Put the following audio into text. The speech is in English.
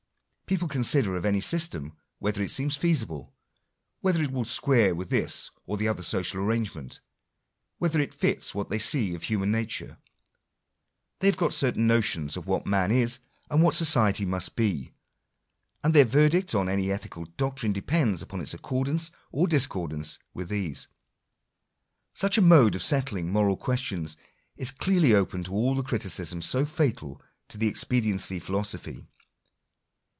People consider of any system, whether it seems feasible, whether it will square with this or the other social arrangement, whether it fits what they see of human nature. They have got certain notions of what Digitized by VjOOQIC 32 INTBODUCTION man is, and what society must be; and their verdict on any ethical doctrine depends upon its accordance or discordance with these. Such a mode of settling moral questions, is clearly open to all the criticisms so fatal to the expediency philosophy.